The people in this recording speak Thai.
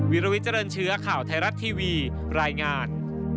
วิลวิเจริญเชื้อข่าวไทยรัฐทีวีรายงาน